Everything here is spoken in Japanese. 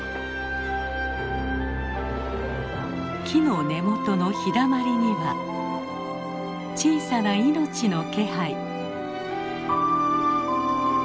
木の根元の日だまりには小さな命の気配。